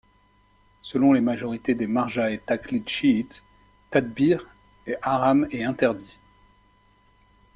Selon les majorités des Marja-e taqlids chiites, Tatbir est haram et interdit.